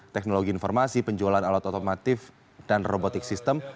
teknologi informasi penjualan alat otomatis dan robotik sistem